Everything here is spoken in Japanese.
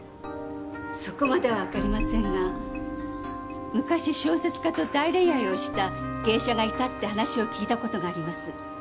そこまではわかりませんが昔小説家と大恋愛をした芸者がいたって話を聞いた事があります。